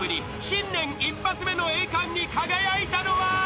［新年一発目の栄冠に輝いたのは］